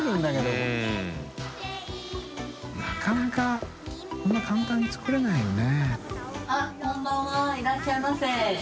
覆覆こんな簡単に作れないよね。